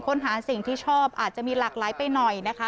สิ่งที่ชอบอาจจะมีหลากหลายไปหน่อยนะคะ